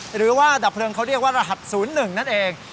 หรือว่าดับเพลิงเขาเรียกว่ารหัส๐๑นั่นเอง